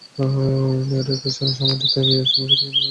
মেয়ের পেছনে সময় দিতে গিয়ে সংসারের কোনো কাজই ঠিকমতো হচ্ছে না।